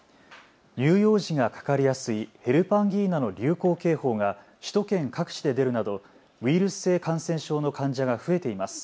乳幼児がかかりやすいヘルパンギーナの流行警報が首都圏各地で出るなどウイルス性感染症の患者が増えています。